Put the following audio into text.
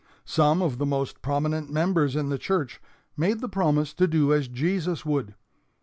Some of the most prominent members in the church made the promise to do as Jesus would.